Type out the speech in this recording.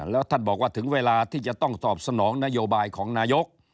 แล้วท่านบอกว่าถึงเวลาที่จะต้องตอบสนองนโยบายของนายก